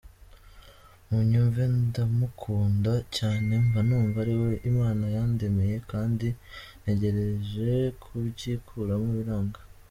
Munyumve ndamukunda cyane mba numva ariwe Imana yandemeye, kandi nagerageje kubyikuramo biranga.